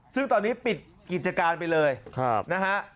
ซึ่งตอนนี้ปิดกิจการไปเลยนะฮะ